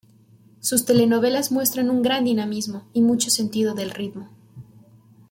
Sus telenovelas muestran un gran dinamismo y mucho sentido del ritmo.